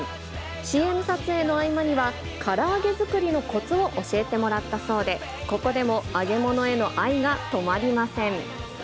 ＣＭ撮影の合間には、から揚げ作りのこつを教えてもらったそうで、ここでも揚げ物への愛が止まりません。